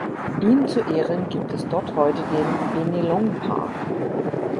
Ihm zu Ehren gibt es dort heute den Bennelong Park.